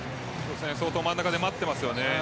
相当真ん中で待っていますよね。